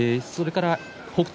北勝